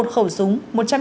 một khẩu súng